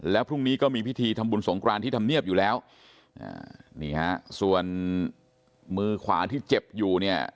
แล้วพรุ่งนี้ก็มีพิธีทำบุญสงครานที่ทำเนียบอยู่แล้วนี่ฮะส่วนมือขวาที่เจ็บอยู่เนี่ย